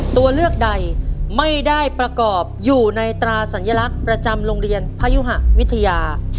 ตัวเลือกใดไม่ได้ประกอบอยู่ในตราสัญลักษณ์ประจำโรงเรียนพยุหะวิทยา